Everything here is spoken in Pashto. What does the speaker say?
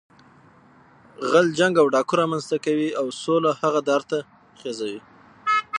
جنګ غل او ډاګو رامنځ ته کوي، او سوله هغه دار ته خېږوي.